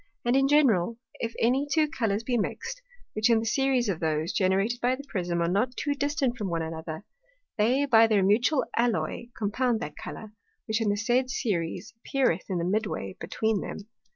And in general, if any two Colours be mix'd, which in the Series of those, generated by the Prism, are not too far distant one from another, they by their mutual Alloy compound that Colour, which in the said Series appeareth in the mid way between them.